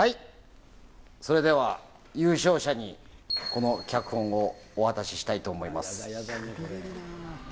それでは、優勝者にこの脚本をお渡ししたいと思います。